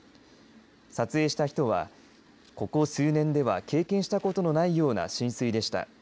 撮影した人はここ数年では経験したことのないような浸水でした。